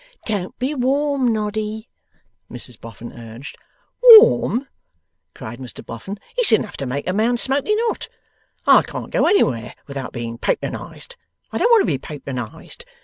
'Don't be warm, Noddy,' Mrs Boffin urged. 'Warm!' cried Mr Boffin. 'It's enough to make a man smoking hot. I can't go anywhere without being Patronized. I don't want to be Patronized.